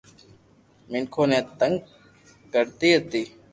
مينکون ني تنگ ڪرتي ھتي